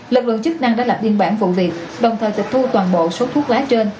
lực lượng chức năng đã lập biên bản vụ việc đồng thời tịch thu toàn bộ số thuốc lá trên